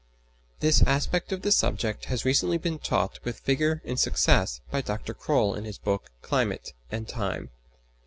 This aspect of the subject has recently been taught with vigour and success by Dr. Croll in his book "Climate and Time."